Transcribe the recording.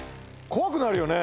怖くなるよね